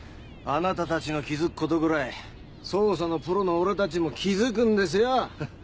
あなたたちの気づくことくらい捜査のプロの俺たちも気づくんですよ。